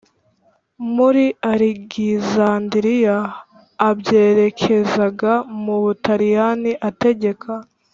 Muri alegizandiriya a bwerekezaga mu butaliyani ategeka